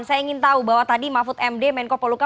saya ingin tahu bahwa tadi mahfud md menko poluka